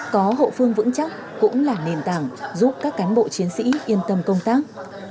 có hậu phương vững chắc cũng là nền tảng giúp các cán bộ chiến sĩ yên tâm công tác